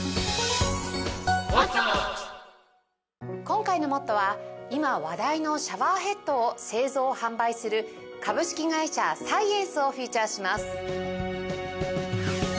今回の『ＭＯＴＴＯ！！』は今話題のシャワーヘッドを製造・販売する株式会社サイエンスをフィーチャーします。